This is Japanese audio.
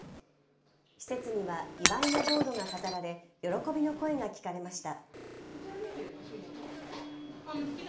施設には祝いのボードが飾られ喜びの声が聞かれました。